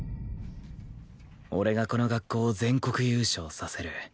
俺がこの学校を全国優勝させる